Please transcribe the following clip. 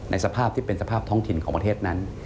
สภาพที่เป็นสภาพท้องถิ่นของประเทศนั้น